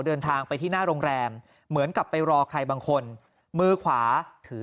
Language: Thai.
เดินทางไปที่หน้าโรงแรมเหมือนกับไปรอใครบางคนมือขวาถือ